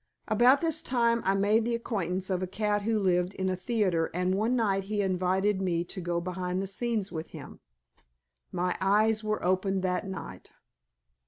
About this time I made the acquaintance of a cat who lived in a theatre and one night he invited me to go behind the scenes with him. My eyes were opened that night.